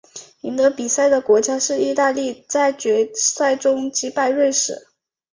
赢得比赛的国家是意大利在决赛中击败瑞士。